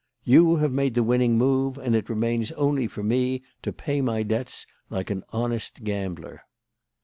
You have made the winning move and it remains only for me to pay my debts like an honest gambler."